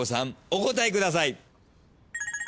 お答えください。